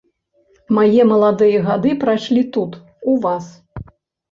Мае маладыя гады прайшлі тут, у вас.